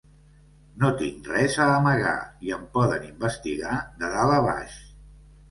No tinc res a amagar i em poden investigar de dalt a baix.